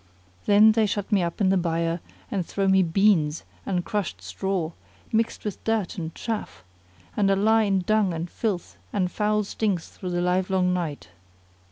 Then they shut me up in the byre and throw me beans and crushed straw,[FN#25] mixed with dirt and chaff; and I lie in dung and filth and foul stinks through the livelong night.